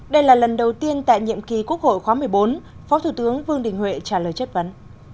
đây là lần đầu tiên tại nhiệm kỳ quốc hội khóa một mươi bốn phó thủ tướng vương đình huệ trả lời chất vấn